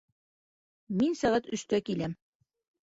Мин сәғәт өстә киләм.